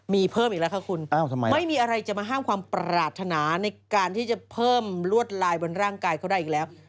มีเพิ่มอีกแล้วค่ะคุณไม่มีอะไรจะมาห้ามความปรารถนาในการที่จะเพิ่มลวดลายบนร่างกายเขาได้อีกแล้ว